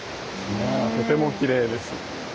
とてもきれいです。